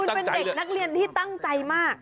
เป็นเด็กนักเรียนที่ตั้งใจมาก